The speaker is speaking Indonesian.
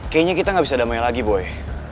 kayaknya kita gak bisa damai lagi boy